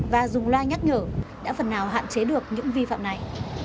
và dùng loa nhắc nhở đã phần nào hạn chế được những vi phạm này